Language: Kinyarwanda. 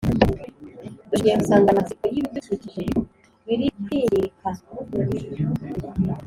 dushingiye ku nsanganyamatsiko y’ibidukikije birikwngirika